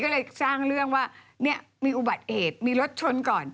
ก็เลยสร้างเรื่องว่าเนี่ยมีอุบัติเหตุมีรถชนก่อน